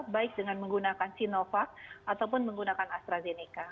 baik dengan menggunakan sinovac ataupun menggunakan astrazeneca